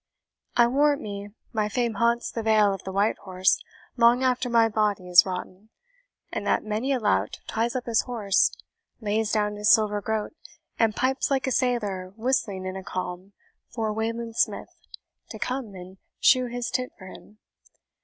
I warrant me, my fame haunts the Vale of the Whitehorse long after my body is rotten; and that many a lout ties up his horse, lays down his silver groat, and pipes like a sailor whistling in a calm for Wayland Smith to come and shoe his tit for him.